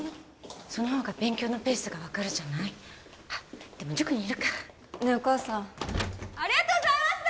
その方が勉強のペースが分かるじゃないあっでも塾にいるかねえお母さんありがとうございました！